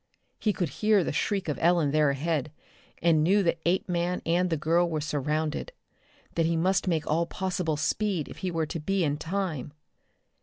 He could hear the shriek of Ellen there ahead, and knew that Apeman and the girl were surrounded that he must make all possible speed if he were to be in time.